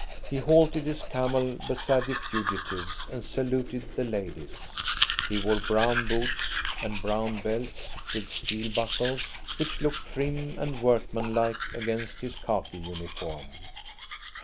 He halted his camel beside the fugitives and saluted the ladies. He wore brown boots and brown belts with steel buckles, which looked trim and workmanlike against his khaki uniform.